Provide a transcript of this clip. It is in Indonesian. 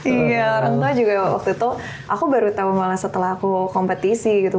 iya orang tua juga waktu itu aku baru tahu malah setelah aku kompetisi gitu